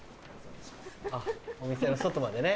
お店の外までね。